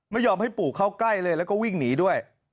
นี่แค่ดิ